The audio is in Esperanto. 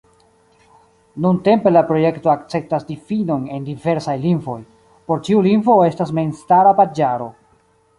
Nuntempe la projekto akceptas difinojn en diversaj lingvoj: por ĉiu lingvo estas memstara paĝaro.